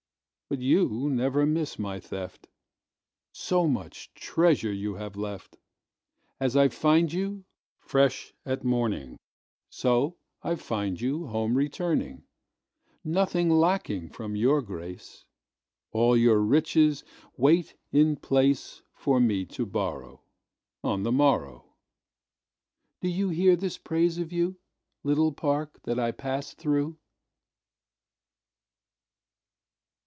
But you never miss my theft, So much treasure you have left. As I find you, fresh at morning, So I find you, home returning—Nothing lacking from your grace. All your riches wait in placeFor me to borrowOn the morrow. Do you hear this praise of you, Little park that I pass through?